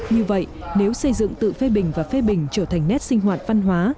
như vậy nếu xây dựng tự phê bình và phê bình trở thành nét sinh hoạt văn hóa